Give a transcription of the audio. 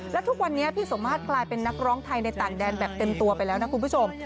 และทุกวันนี้พี่สมมาตรกลายเป็นนักร้องไทยในต่างแดนแบบเต็มตัวไปแล้วนะคุณผู้ชม